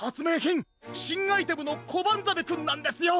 しんアイテムのコバンザメくんなんですよ！